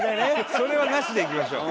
それはなしでいきましょう。